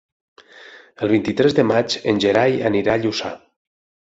El vint-i-tres de maig en Gerai anirà a Lluçà.